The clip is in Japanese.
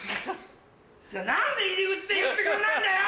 じゃあ何で入り口で言ってくれないんだよ！